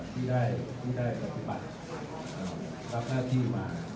ที่ได้ปฏิบัติรับหน้าที่มา